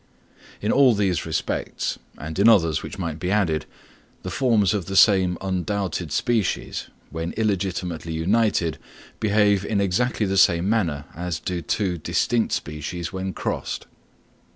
In all these respects, and in others which might be added, the forms of the same undoubted species, when illegitimately united, behave in exactly the same manner as do two distinct species when crossed.